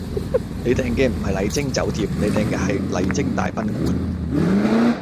你訂嘅唔係麗晶酒店，你訂嘅係麗晶大賓館